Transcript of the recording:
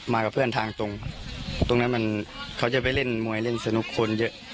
กับเพื่อนทางตรงตรงนั้นมันเขาจะไปเล่นมวยเล่นสนุกคนเยอะ